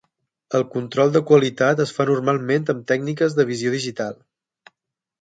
El control de qualitat es fa normalment amb tècniques de visió digital.